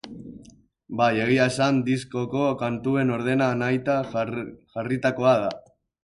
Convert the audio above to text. Bai, egia esan, diskoko kantuen ordena nahita jarritakoa da.